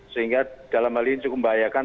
sehingga dalam hal ini cukup membahayakan